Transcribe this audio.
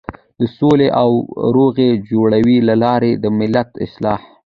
د سولې او روغې جوړې له لارې د ملت اصلاح.